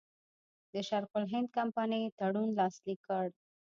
د شرق الهند کمپنۍ تړون لاسلیک کړ.